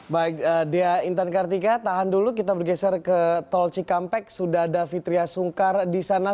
baik dea intan kartika tahan dulu kita bergeser ke tol cikampek sudah ada fitriah sungkar di sana